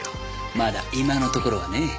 まだ今のところはね。